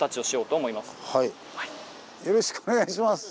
よろしくお願いします！